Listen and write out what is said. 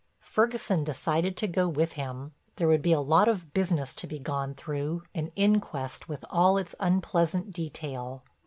Ferguson decided to go with him; there would be a lot of business to be gone through, an inquest with all its unpleasant detail.